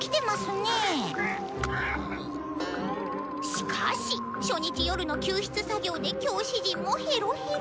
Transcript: しかし初日夜の救出作業で教師陣もヘロヘロ！」。